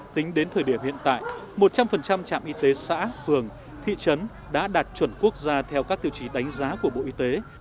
các trạm y tế xã phường thị trấn đã đạt chuẩn quốc gia theo các tiêu chí đánh giá của bộ y tế